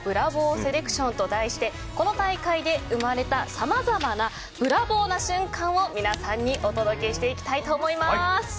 セレクションと題してこの大会で生まれた様々なブラボーな瞬間を皆さんにお届けしていきたいと思います。